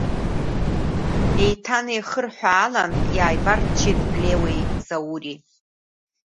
Еиҭанеихырҳәаалан иааибарччеит Леуеи Заури.